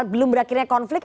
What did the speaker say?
belum berakhirnya konflik